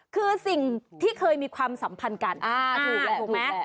คือสิ่งที่เคยมีความสัมพันธ์กันถูกถูกไหม